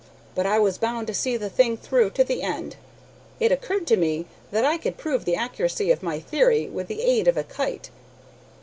But I was bound to see the thing through to the end. It occurred to me that I could prove the accuracy of my theory with the aid of a kite.